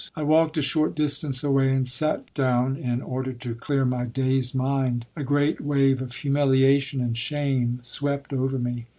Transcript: I walked a short distance away and sat down in order to clear my dazed mind. A great wave of humiliation and shame swept over me.